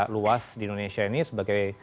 luas di indonesia ini sebagai